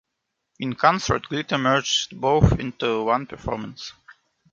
In concert, Glitter merged both into one performance.